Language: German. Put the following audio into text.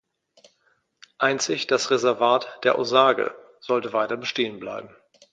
Einzig das Reservat der Osage sollte weiterbestehen bleiben.